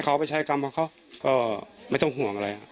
ก็ไม่ต้องห่วงอะไร